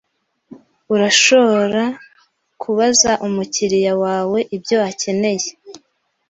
urashoora kubaza umukiriya wawe ibyo akeneye